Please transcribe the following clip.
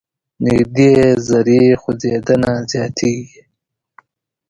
نژدې ذرې خوځیدنه زیاتیږي.